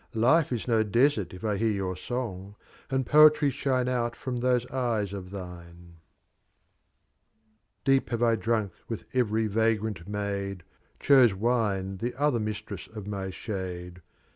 Lif* is ng Desert if I hear your Sang, And Poefry shine from out those Ejes of Thine. X, Deep have I dnjnk wrth every vagrant MsJd P Chose Witt? the other Mistress of m> Shade.